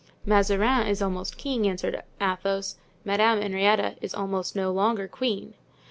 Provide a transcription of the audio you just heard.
"Mazarin is almost king," answered Athos; "Madame Henrietta is almost no longer queen."